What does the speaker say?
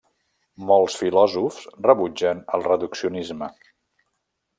Molts filòsofs rebutgen el reduccionisme.